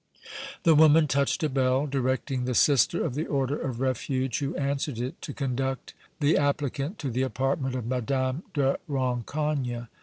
The woman touched a bell, directing the Sister of the Order of Refuge who answered it to conduct the applicant to the apartment of Madame de Rancogne.